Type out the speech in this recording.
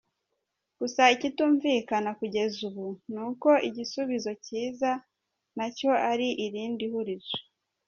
Gusa ikitumvikana kugeza ubu ni uko igisubizo kiza na cyo ari irindi hurizo,